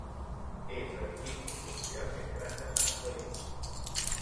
És l'edifici industrial més gran de Sant Feliu.